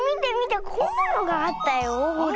こんなのがあったよほら。